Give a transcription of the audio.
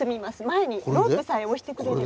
前にロープさえ押してくれれば。